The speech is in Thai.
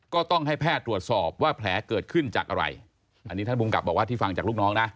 ก็ต้องให้แพทย์ตรวจสอบว่าแผลเกิดขึ้นจากอะไรอันนี้ท่านภูมิกับบอกว่าที่ฟังจากลูกน้องนะ